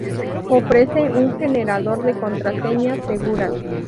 ofrece un generador de contraseñas seguras